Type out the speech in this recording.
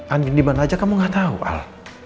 andin dimana aja kamu gak tau al